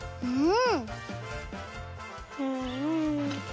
うん。